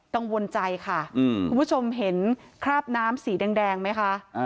กังวลใจค่ะคุณผู้ชมเห็นคราบน้ำสีแดงไหมคะ